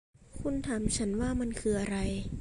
คุณถามฉันว่ามันคืออะไร